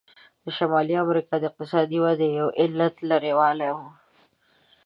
د شمالي امریکا د اقتصادي ودې یو علت لرې والی و.